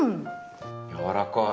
やわらかい！